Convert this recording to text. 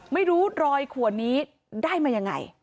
ไม่รู้รอยขวดนี้ได้มายังไง